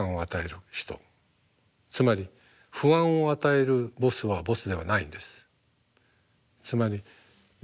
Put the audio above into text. つまり不安を与えるボスはボスではないんです。